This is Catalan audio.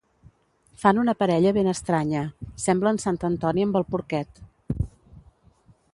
Fan una parella ben estranya. Semblen sant Antoni amb el porquet.